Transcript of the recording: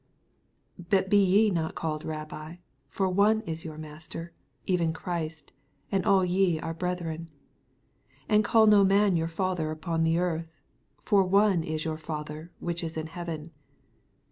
8 Bat be not ye called Sabbi : foi one is your Master, even Christ ; and all ye are brethren. 9 And call no man your father upon the earth : for one is your Fa ther, which is in heaven.